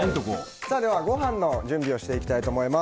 ご飯の準備をしていきたいと思います。